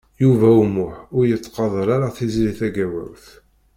Yuba U Muḥ ur yettqadeṛ ara Tiziri Tagawawt.